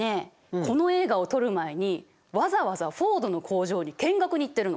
この映画を撮る前にわざわざフォードの工場に見学に行ってるの。